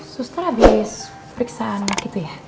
sus kan abis periksaan gitu ya